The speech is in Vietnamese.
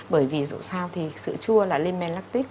bởi vì dù sao thì sữa chua là limelactic